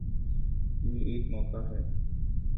یہ ایک موقع ہے۔